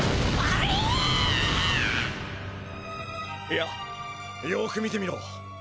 いやよく見てみろ。